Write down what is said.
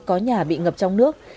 có nhà bị ngập trong nước